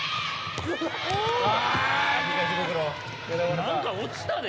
何か落ちたで！